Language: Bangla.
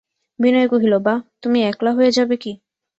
বিনয় কহিল, বাঃ, তুমি একলা যাবে কি!